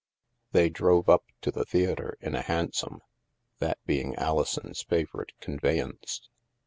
They drove up to the theatre in a hansom, that being Alison's favorite conveyance.